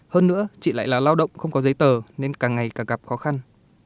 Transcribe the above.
hơn nữa chị lại là lao động không có giấy tờ nên càng ngày càng gặp khó khăn